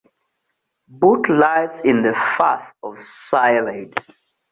Bute lies in the Firth of Clyde.